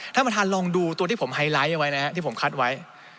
ท่านประธานลองดูตัวที่ผมไฮไลท์เอาไว้นะครับที่ผมคัดไว้